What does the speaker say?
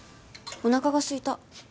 おなかがすいた。